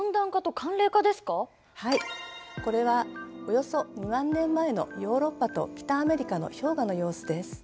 これはおよそ２万年前のヨーロッパと北アメリカの氷河の様子です。